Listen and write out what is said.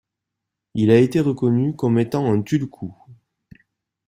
Il a été reconnu comme étant un tulkou.